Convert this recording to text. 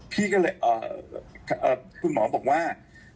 พี่ก็เลยคุณหมอบอกว่า